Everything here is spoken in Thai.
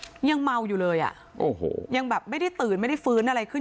ยังเมาอยู่เลยอ่ะโอ้โหยังแบบไม่ได้ตื่นไม่ได้ฟื้นอะไรขึ้น